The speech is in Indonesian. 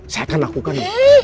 saya akan lakukan